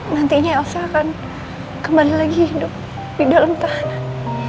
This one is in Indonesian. nantinya elsa akan kembali lagi hidup di dalam tahanan